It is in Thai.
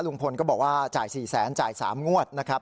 ลุงพลก็บอกว่าจ่าย๔แสนจ่าย๓งวดนะครับ